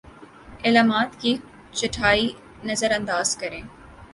علامات کی چھٹائی نظرانداز کریں